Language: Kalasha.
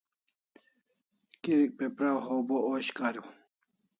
Kirik pe praw haw, bo osh kariu